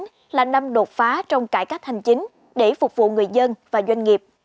năm hai nghìn một mươi chín là năm đột phá trong cải cách hành chính để phục vụ người dân và doanh nghiệp